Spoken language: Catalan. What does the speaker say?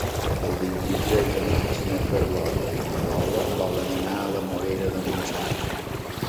El vint-i-tres de maig na Carlota i na Lola volen anar a la Morera de Montsant.